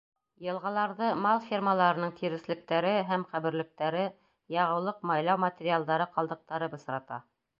Йылғаларҙы мал фермаларының тиреҫлектәре һәм ҡәберлектәре, яғыулыҡ-майлау материалдары ҡалдыҡтары бысрата.